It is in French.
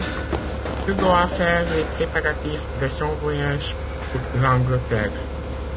Il doit faire les préparatifs de son voyage pour l'Angleterre.